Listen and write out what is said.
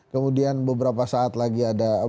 kemudian beberapa saat lagi ada